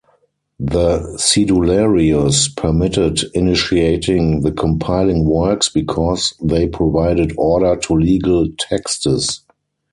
The "cedularios" permitted initiating the compiling works, because they provided order to legal texts.